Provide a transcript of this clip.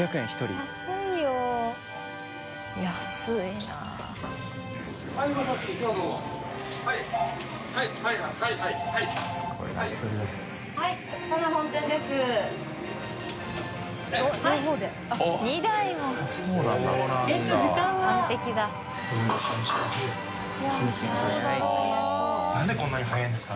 淵好織奪奸なんでこんなに早いんですか？